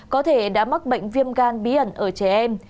có thể đã mắc bệnh viêm gan bí ẩn ở trẻ em